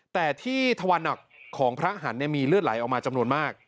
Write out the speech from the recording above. แต่ที่ทวันหนักของพระหันต์มีเลือดไหลออกมาจำนวนมาก